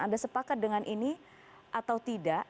anda sepakat dengan ini atau tidak